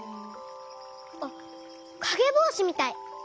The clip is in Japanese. あっかげぼうしみたい！